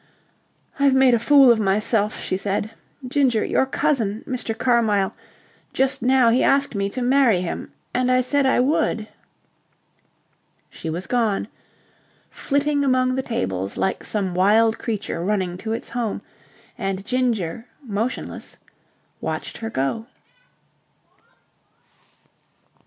"I've made a fool of myself," she said. "Ginger, your cousin... Mr. Carmyle... just now he asked me to marry him, and I said I would." She was gone, flitting among the tables like some wild creature running to its home: and Ginger, motionless, watched her go.